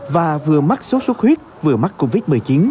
và vừa mắc sốt xuất huyết vừa mắc covid một mươi chín